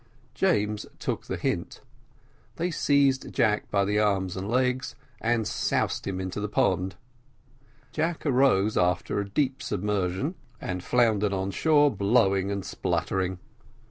William took the hint; they seized Jack by the arms and legs, and soused him into the pond. Jack arose after a deep submersion, and floundered on shore blowing and spluttering.